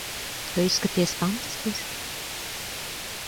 Tu izskaties fantastiski.